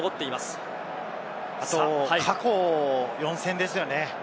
あと、過去４戦ですよね。